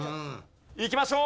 いきましょう。